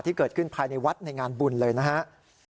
ที่เกิดขึ้นภายในวัดในงานบุญเลยนะครับ